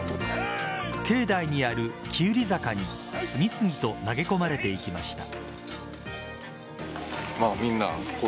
境内にあるきうり塚に次々と投げ込まれていきました。